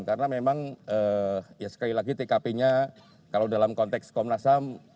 karena memang sekali lagi tkp nya kalau dalam konteks komnas ham